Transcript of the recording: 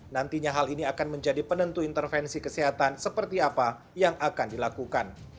nantinya hal ini akan menjadi penentu intervensi kesehatan seperti apa yang akan dilakukan